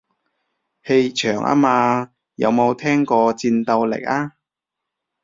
氣場吖嘛，有冇聽過戰鬥力啊